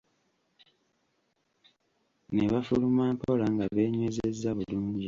Ne bafuluma mpola nga beenywezezza bulungi.